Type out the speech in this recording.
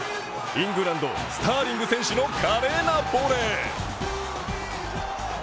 イングランド、スターリング選手の華麗なボレー。